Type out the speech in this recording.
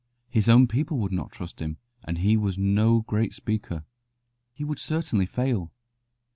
His own people would not trust him, and he was no great speaker; he would certainly fail.